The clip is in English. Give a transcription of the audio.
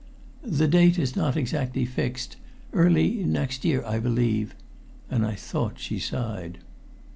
"The date is not exactly fixed early next year, I believe," and I thought she sighed.